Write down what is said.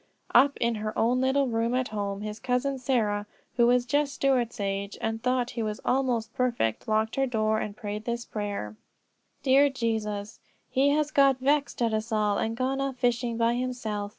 '" Up in her own little room at home, his Cousin Sarah, who was just Stuart's age, and thought he was almost perfect, locked her door and prayed this prayer: "Dear Jesus: He has got vexed at us all and gone off fishing, by himself.